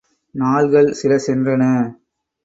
நாள்கள் சில சென்றன.